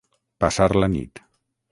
Passar la nit.